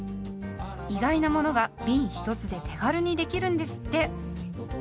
意外なものがびん１つで手軽にできるんですって。